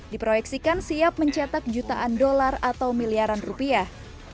diproyeksikan siap mencetak jutaan dolar atau miliaran rupiah